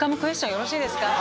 よろしいですか？